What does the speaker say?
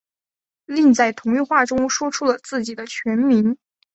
另在同一话中说出了自己全名。